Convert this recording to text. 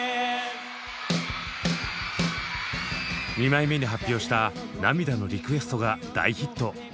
２枚目に発表した「涙のリクエスト」が大ヒット。